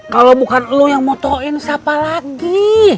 kalo bukan lu yang motoin siapa lagi